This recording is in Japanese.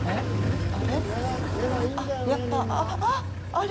あれ？